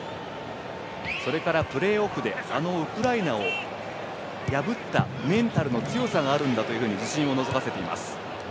それからプレーオフであのウクライナを破ったメンタルの強さがあるんだと自信をのぞかせています。